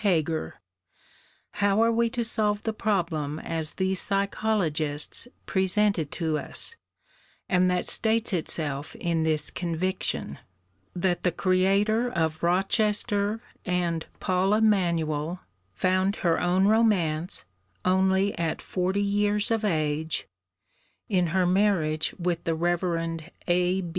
Heger, how are we to solve the problem as these psychologists present it to us, and that states itself in this conviction: that the creator of 'Rochester' and 'Paul Emanuel' found her own romance, only at forty years of age, in her marriage with the Rev. A.